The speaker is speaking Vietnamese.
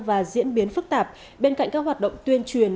và diễn biến phức tạp bên cạnh các hoạt động tuyên truyền